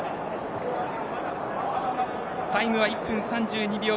タイムは１分３２秒３。